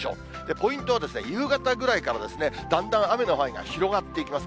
ポイントは、夕方ぐらいからだんだん雨の範囲が広がっていきます。